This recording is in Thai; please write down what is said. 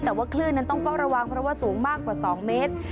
แต่ว่าคลื่นนั้นต้องเฝ้าระวังเพราะว่าสูงมากกว่า๒เมตร